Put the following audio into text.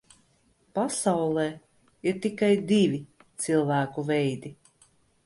Pasaulē ir tikai divi cilvēku veidi.